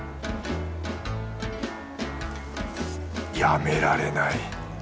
やめられない。